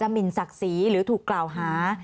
ทำไมรัฐต้องเอาเงินภาษีประชาชน